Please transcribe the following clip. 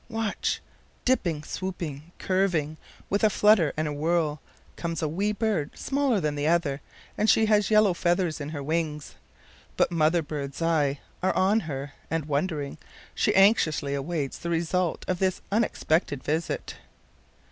Watch! Dipping, swooping, curving, with a flutter and a whirl, comes a wee bird, smaller than the other, and she has yellow feathers in her wings. But mother bird's eyes are on her, and wondering, she anxiously awaits the result of this unexpected visit.